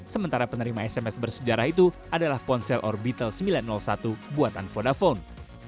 sementara penerima sms bersejarah itu adalah ponsel orbitle sembilan ratus satu buatan fondavon